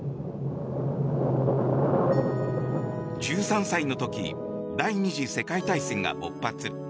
１３歳の時第２次世界大戦が勃発。